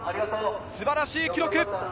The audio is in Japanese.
素晴らしい記録。